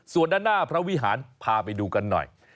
ส่วนด้านหน้าพระวิหารพาไปดูกันหน่อย